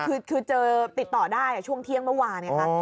คือเจอติดต่อได้ช่วงเที่ยงเมื่อวานไงคะ